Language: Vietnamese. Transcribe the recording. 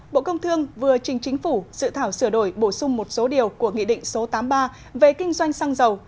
bộ công thương vừa trình chính phủ dự thảo sửa đổi bổ sung một số điều của nghị định số tám mươi ba về kinh doanh xăng dầu